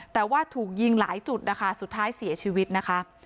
แต่ว่าถูกยิงหลายจุดนะคะสุดท้ายเสียชีวิตนะคะ